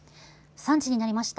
３時になりました。